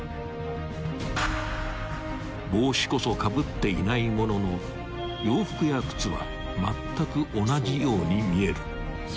［帽子こそかぶっていないものの洋服や靴はまったく同じように見える］